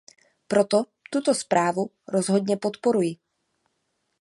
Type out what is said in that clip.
Proto tuto zprávu rozhodně podporuji.